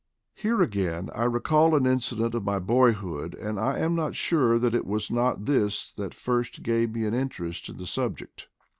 Here again I recall an incident of my boyhood, and am not sure that it was not this that first gave me an interest in the subject.